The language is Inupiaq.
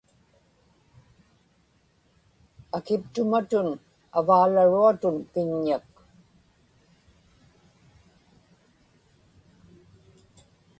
akiptumatun avaalaruatun piññak